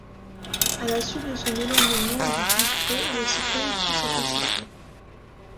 À la suite de son éloignement du dit creux, le cyclone put s'intensifier.